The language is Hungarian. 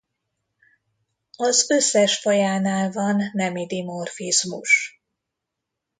Az összes fajánál van nemi dimorfizmus.